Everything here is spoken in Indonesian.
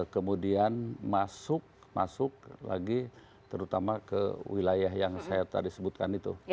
kemudian masuk masuk lagi terutama ke wilayah yang saya tadi sebutkan itu